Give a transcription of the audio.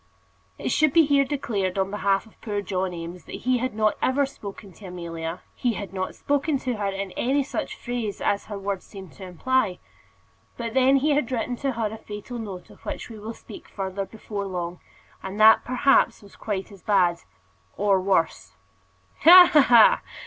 It should be here declared on behalf of poor John Eames that he had not ever spoken to Amelia he had not spoken to her in any such phrase as her words seemed to imply. But then he had written to her a fatal note of which we will speak further before long, and that perhaps was quite as bad, or worse. "Ha, ha, ha!"